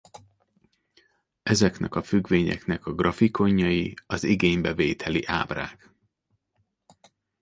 Ezeknek a függvényeknek a grafikonjai az igénybevételi ábrák.